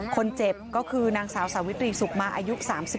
คนเจ็บก็คือนางสาวสาวิตรีสุขมาอายุ๓๒